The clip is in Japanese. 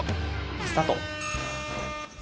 スタート。